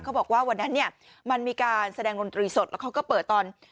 เขาบอกว่าวันนั้นมีการแสดงหนุนตะรีสดเขาก็เปิด